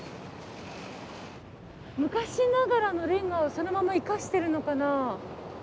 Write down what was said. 昔ながらのレンガをそのまま生かしてるのかな？